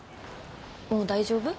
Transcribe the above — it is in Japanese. もう大丈夫？